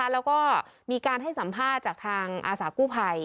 แล้วก็มีการให้สัมภาษณ์จากทางอาสากู้ภัย